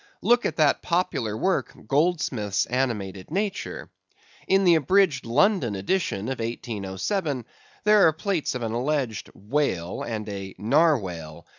Look at that popular work "Goldsmith's Animated Nature." In the abridged London edition of 1807, there are plates of an alleged "whale" and a "narwhale."